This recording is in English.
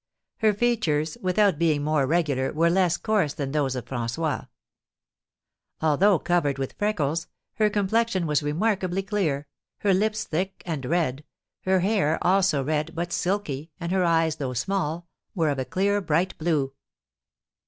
Her features, without being more regular, were less coarse than those of François. Although covered with freckles, her complexion was remarkably clear, her lips thick and red, her hair also red, but silky, and her eyes, though small, were of a clear bright blue.